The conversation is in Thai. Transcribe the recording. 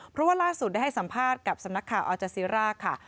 เพราะว่าล่าสุดได้ให้สัมภาษณ์กับสำนักข่าวอัลจาซีร่าค่ะ